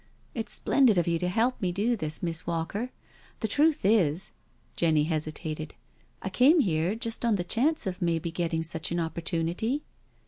It's splendid of you to help me do this, Miss Walker. The truth is "— Jenny hesitated —I came here just on the chance of maybe getting such an opportunity.'